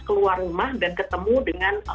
keluar rumah dan ketemu dengan